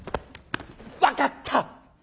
分かった！